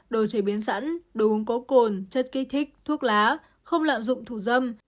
đồ chế biến sẵn đồ uống có cồn chất kích thích thuốc lá không lạm dụng thủ dâm